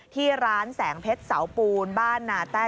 ที่ร้านแสงเพชรเสาปูนบ้านนาแต้